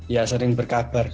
ya sering berkabar kak